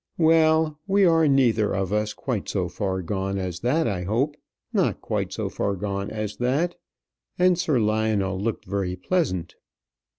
"Well, we are neither of us quite so far gone as that, I hope not quite so far gone as that;" and Sir Lionel looked very pleasant.